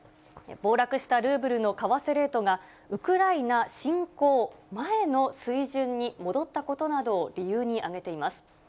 暴落したルーブルの為替レートが、ウクライナ侵攻前の水準に戻ったことなどを理由に挙げています。